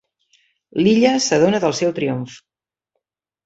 L'Illa s'adona del seu triomf.